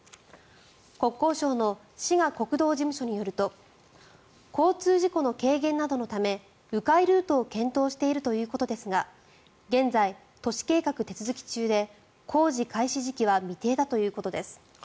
国交省の滋賀国道事務所によると交通事故の軽減などのため迂回ルートを検討しているということですが現在、都市計画手続き中で工事開始時期は未定だということです。